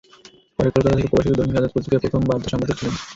পরে কলকাতা থেকে প্রকাশিত দৈনিক আজাদ পত্রিকায় প্রথম বার্তা সম্পাদক ছিলেন।